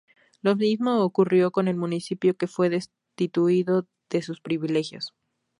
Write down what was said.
Lo mismo ocurrió con el municipio, que fue destituido de sus privilegios.